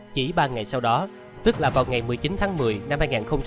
chỉ ba ngày sau đó tức là vào ngày một mươi chín tháng một mươi năm hai nghìn hai mươi